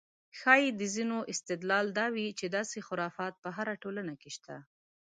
ښایي د ځینو استدلال دا وي چې داسې خرافات په هره ټولنه کې شته.